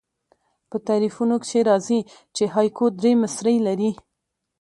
په تعریفونو کښي راځي، چي هایکو درې مصرۍ لري.